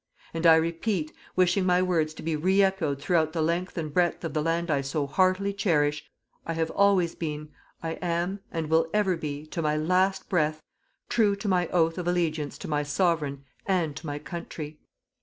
And I repeat, wishing my words to be re echoed throughout the length and breadth of the land I so heartily cherish: I have always been, I am and will ever be, to my last breath, true to my oath of allegiance to my Sovereign and to my country.